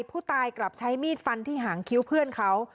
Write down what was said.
ผู้ตายกลับใช้มีดฟันที่หางคิ้วเพื่อนเขา